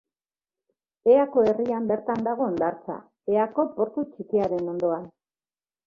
Eako herrian bertan dago hondartza, Eako portu txikiaren ondoan.